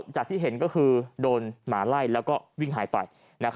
จากที่เห็นก็คือโดนหมาไล่แล้วก็วิ่งหายไป